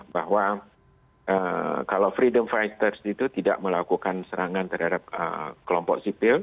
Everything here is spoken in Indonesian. bahwa kalau freedom fighters itu tidak melakukan serangan terhadap kelompok sipil